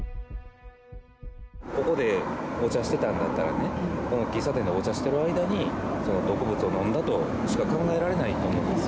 ここでお茶してたんだったらね、この喫茶店でお茶してる間に、その毒物を飲んだとしか考えられないと思うんですよ。